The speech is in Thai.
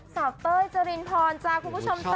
สาวเต้ยเจริญพรจ้าคุณผู้ชมจ๋า